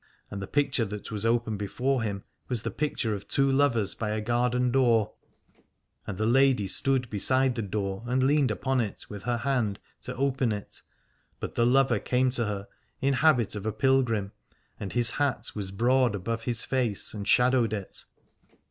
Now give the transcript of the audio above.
And the picture that was open before him was the picture of two lovers by a garden door; and the lady stood beside the door and leaned upon it with her hand to open it, but the lover came to her in habit of a pilgrim, and his hat was broad above his face, and shadowed it.